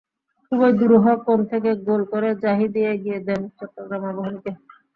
খুবই দুরূহ কোণ থেকে গোল করে জাহিদই এগিয়ে দেন চট্টগ্রাম আবাহনীকে।